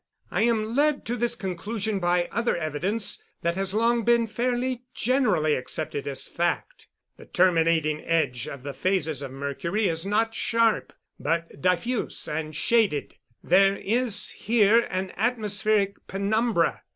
I am led to this conclusion by other evidence that has long been fairly generally accepted as fact. The terminating edge of the phases of Mercury is not sharp, but diffuse and shaded there is here an atmospheric penumbra.